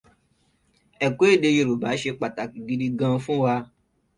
Ẹ̀kọ́ èdè Yorùbá ṣe pàtàkì gidi gan-an fún wa.